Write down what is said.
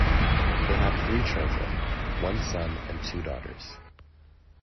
They had three children, one son and two daughters.